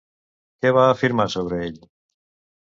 Què va afirmar sobre ell?